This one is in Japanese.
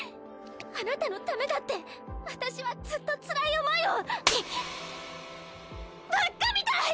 あなたのためだって私はずっとつらい思いをバッカみたい！